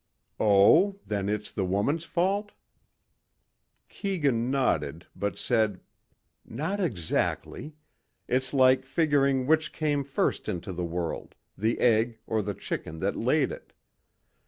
"Oh, then it's the woman's fault?" Keegan nodded but said, "Not exactly. It's like figuring which came first into the world, the egg or the chicken that laid it.